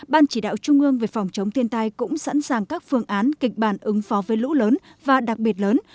ban chỉ đạo trung ương về phòng chống thiên tai cũng sẵn sàng các phương án kịch bản ứng phó với lũ lớn và đặc biệt lớn